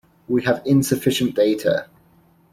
We have insufficient data.